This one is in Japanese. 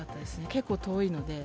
結構遠いので。